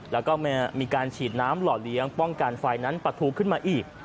แล้วก็มีการฉีดน้ำหล่อเลี้ยงป้องกันไฟนั้นปะทูขึ้นมาอีก